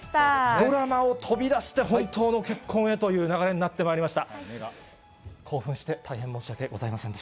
ドラマを飛び出して本当の結婚へという流れになってまいりました。